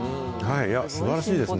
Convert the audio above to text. すばらしいですね。